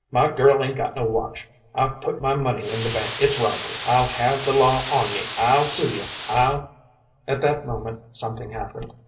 My girl'ain'tgotno watch. I'veputmymoneyinthebank. It'srobbery. I'llhavethelawonye. I'llsueyou. I'll " At that moment something happened.